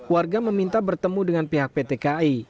warga meminta bertemu dengan pihak pt kai